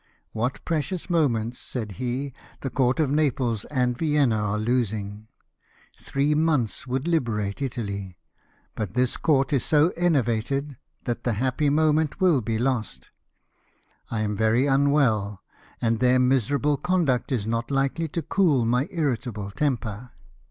'' What precious moments," said he, " the Courts of Naples and Vienna are losing ! Three months would liberate Ital}^ ; but this Court is so enervated that the happy moment will be lost. I am very unwell, and their miserable conduct is not likely to cool my irritable temper.